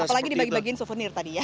apalagi dibagi bagiin souvenir tadi ya